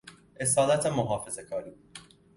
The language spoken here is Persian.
اصالت محافظه کاری